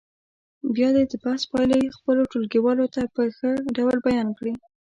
بیا دې د بحث پایلې خپلو ټولو ټولګیوالو ته په ښه ډول بیان کړي.